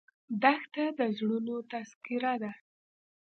دښته د زړونو تذکره ده.